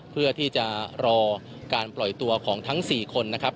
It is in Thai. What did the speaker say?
เพื่อที่จะรอการปล่อยตัวของทั้ง๔คนนะครับ